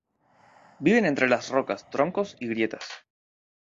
Viven entre las rocas, troncos y grietas.